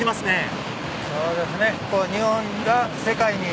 そうですね。